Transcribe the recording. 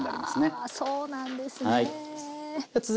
あそうなんですね。